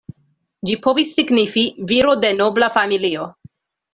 Ĝi povis signifi "viro de nobla familio".